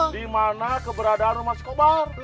dimana keberadaan rumah skobar